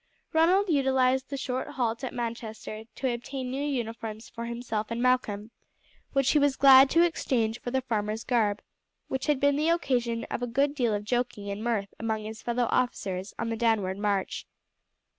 Ronald utilized the short halt at Manchester to obtain new uniforms for himself and Malcolm, which he was glad to exchange for the farmer's garb, which had been the occasion of a good deal of joking and mirth among his fellow officers on the downward march.